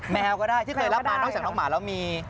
แมวก็ได้ที่เคยรับมานอกจากน้องหมาแล้วมี